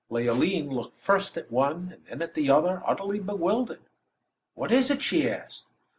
Leoline looked first at one, and then at the other, utterly bewildered. "What is it?" she asked.